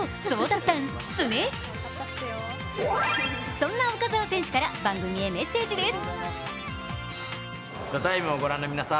そんな岡澤選手から番組へメッセージです。